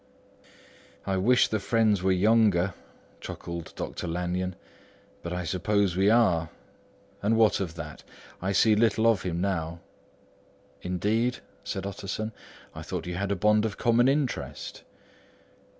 "I wish the friends were younger," chuckled Dr. Lanyon. "But I suppose we are. And what of that? I see little of him now." "Indeed?" said Utterson. "I thought you had a bond of common interest."